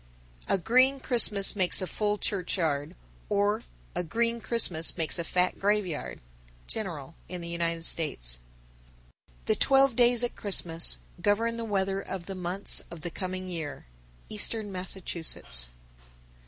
A green Christmas makes a full churchyard, or A green Christmas makes a fat graveyard. General in the United States. 955. The twelve days at Christmas govern the weather of the months of the coming year. _Eastern Massachusetts.